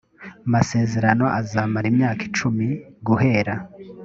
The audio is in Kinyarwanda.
masezerano azamara imyaka icumi guhera